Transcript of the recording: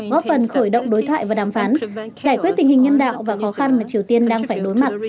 góp phần khởi động đối thoại và đàm phán giải quyết tình hình nhân đạo và khó khăn mà triều tiên đang phải đối mặt